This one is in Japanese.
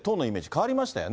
変わりました。